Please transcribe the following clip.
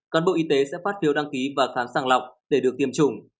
cán bộ y tế sẽ phát phiếu đăng ký và khám sàng lọc để được tiêm chủng